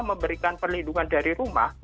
memberikan perlindungan dari rumah